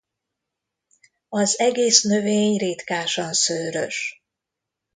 Az egész növény ritkásan szőrös.